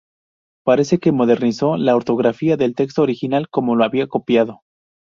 Parece que modernizó la ortografía del texto original como lo había copiado.